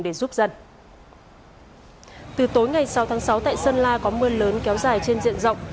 từ tối ngày sáu tháng sáu tại sơn la có mưa lớn kéo dài trên diện rộng